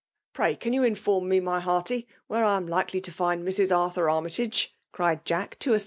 Bray can you inform me, my hearty> ^faere I 9fa likely to find Mrs. Arthur Annjtag^" cried Jach« to a.